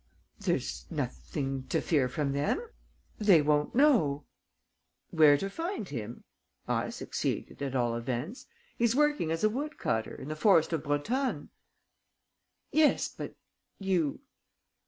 There's nothing to fear from them.... They won't know...." "Where to find him? I succeeded, at all events. He's working as a woodcutter, in the forest of Brotonne." "Yes, but ... you